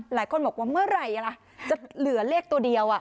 หลายคนบอกว่าเมื่อไหร่ล่ะจะเหลือเลขตัวเดียว